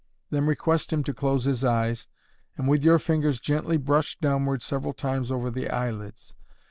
Then request him to close his eyes, and with your fingers gently brush downward several times over the eyelids.